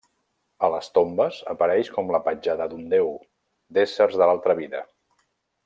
A les tombes, apareix com la petjada d'un déu, d'éssers de l'altra vida.